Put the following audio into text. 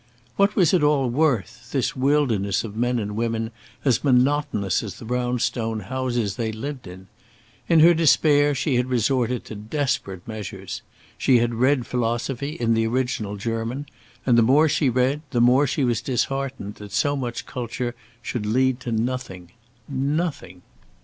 What was it all worth, this wilderness of men and women as monotonous as the brown stone houses they lived in? In her despair she had resorted to desperate measures. She had read philosophy in the original German, and the more she read, the more she was disheartened that so much culture should lead to nothing nothing.